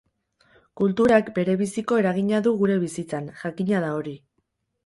Kulturak berebiziko eragina du gure bizitzan, jakina da hori.